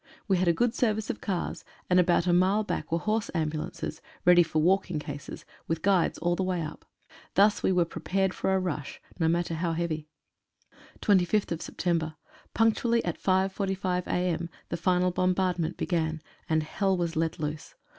We had a good service of cars, and about a mile back were horse ambu lances, ready for walking cases, with guides all the way up. Thus we prepared for a rush — no matter how heavy. 25th Sept.— Punctually at 5.45 a.m. the final bombardment began, and hell was let loose.